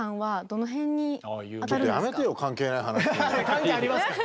関係ありますから。